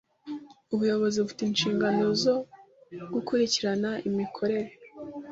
Ubuyobozi bufite inshingano zo gukurikirana imikorere